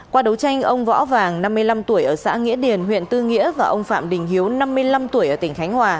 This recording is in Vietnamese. qua đấu tranh ông võ vàng năm mươi năm tuổi ở xã nghĩa điền huyện tư nghĩa và ông phạm đình hiếu năm mươi năm tuổi ở tỉnh khánh hòa